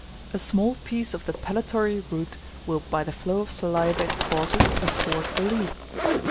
A small piece of the pellitory root will, by the flow of saliva it causes, afford relief.